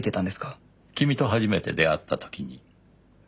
君と初めて出会った時に。